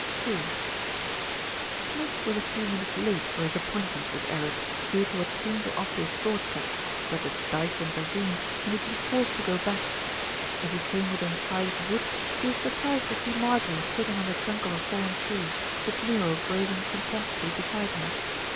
II Smith was a few minutes late for his appointment with Eric, due to what seemed an obvious short cut; but a dyke intervened and he had been forced to go back. ERIC PLAYS A PART 265 As he came within sight of the wood, he was sur prised to see Marjorie sitting on the trunk of a fallen tree, with Nero grazing contentedly beside her.